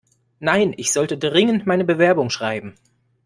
Nein, ich sollte dringend meine Bewerbung schreiben.